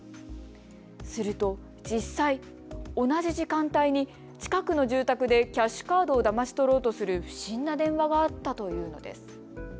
すると、実際同じ時間帯に近くの住宅でキャッシュカードをだまし取ろうとする不審な電話があったというのです。